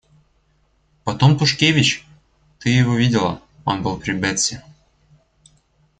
Потом Тушкевич, — ты его видела, он был при Бетси.